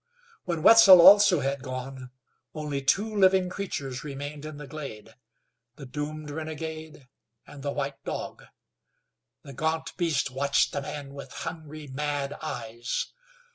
When Wetzel also had gone, only two living creatures remained in the glade the doomed renegade, and the white dog. The gaunt beast watched the man with hungry, mad eyes.